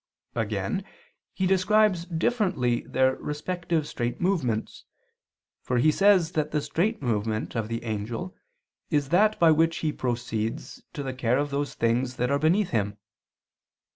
Again, he describes differently their respective straight movements. For he says that the straight movement of the angel is that by which he proceeds to the care of those things that are beneath him.